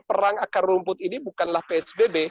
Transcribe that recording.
perang akar rumput ini bukanlah psbb